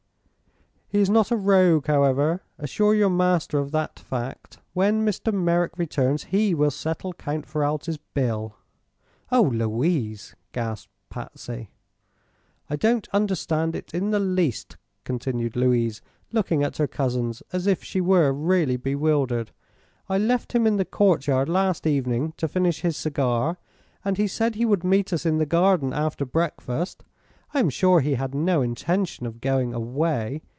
"He is not a rogue, however. Assure your master of that fact. When Mr. Merrick returns he will settle Count Ferralti's bill." "Oh, Louise!" gasped Patsy. "I don't understand it in the least," continued Louise, looking at her cousins as if she were really bewildered. "I left him in the courtyard last evening to finish his cigar, and he said he would meet us in the garden after breakfast. I am sure he had no intention of going away.